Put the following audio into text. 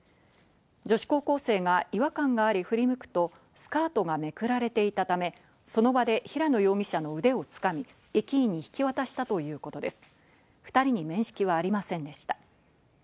女子高校生が違和感があり、振り向くとスカートがめくられていたため、その場で平野容疑者の腕を掴み、駅員に引き渡したということです。